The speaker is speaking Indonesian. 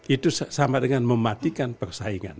itu sama dengan mematikan persaingan